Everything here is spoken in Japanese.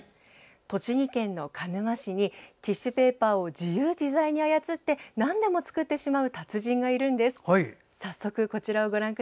栃木県の鹿沼市にティッシュペーパーを自由自在に操ってなんでも作ってしまう達人がいるんです。